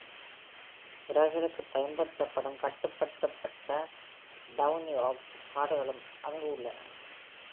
விறகுகளுக்குப் பயன்படுத்தப்படும் கட்டுப்படுத்தப்பட்ட Downey oaks காடுகளும் அங்கு உள்ளன.